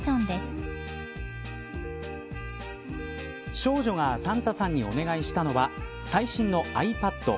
少女がサンタさんにお願いしたのは最新のｉＰａｄ。